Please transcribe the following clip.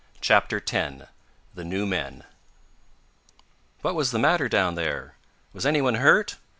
CHAPTER X THE NEW MEN "What was the matter down there?" "Was anyone hurt?"